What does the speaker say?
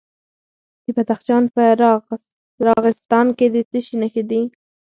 د بدخشان په راغستان کې د څه شي نښې دي؟